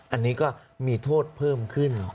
อันนี้ก็มีโทษเพิ่มขึ้น